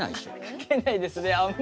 かけないですねあんまり。